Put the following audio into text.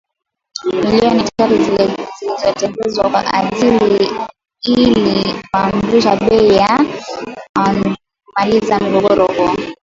milioni tatu zilizotengwa kwa ajili ili kuimarisha bei na kumaliza mgogoro huo